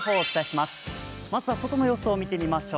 まずは外の様子を見てみましょう。